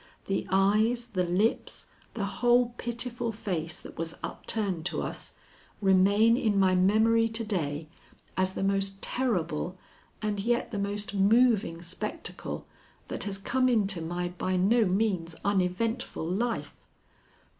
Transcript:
The eyes, the lips, the whole pitiful face that was upturned to us, remain in my memory to day as the most terrible and yet the most moving spectacle that has come into my by no means uneventful life.